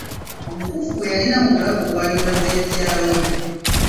Omukuufu gwe yalina mu bulago gw'ali gwa jjajja we.